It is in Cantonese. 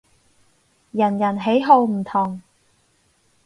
人人喜好唔同